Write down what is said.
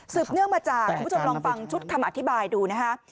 เนื่องมาจากคุณผู้ชมลองฟังชุดคำอธิบายดูนะคะ